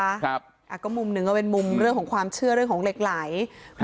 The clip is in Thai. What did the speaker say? ครับอ่ะก็มุมหนึ่งก็เป็นมุมเรื่องของความเชื่อเรื่องของเหล็กไหลครับ